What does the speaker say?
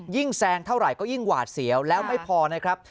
แซงเท่าไหร่ก็ยิ่งหวาดเสียวแล้วไม่พอนะครับ